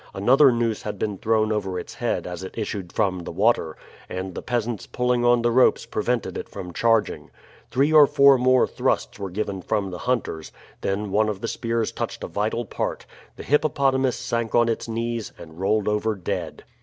Another noose had been thrown over its head as it issued from the water, and the peasants pulling on the ropes prevented it from charging. Three or four more thrusts were given from the hunters; then one of the spears touched a vital part the hippopotamus sank on its knees and rolled over dead.